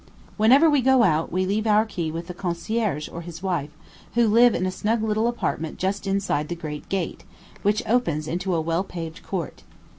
Whenever we go out, we leave our key with the concierge or his wife, who live in a snug little apartment just inside the great gate, which opens into a well paved court.